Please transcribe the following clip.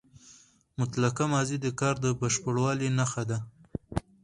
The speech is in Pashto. مطلقه ماضي د کار د بشپړوالي نخښه ده.